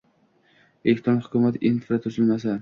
Elektron hukumat infratuzilmasi